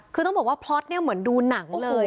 คือต้องบอกว่าพล็อตเนี่ยเหมือนดูหนังเลย